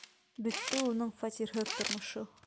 Бөттө уның фатирһыҙ тормошо!